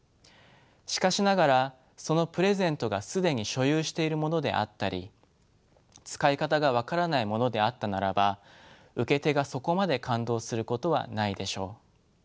しかしながらそのプレゼントが既に所有しているものであったり使い方が分からないものであったならば受け手がそこまで感動することはないでしょう。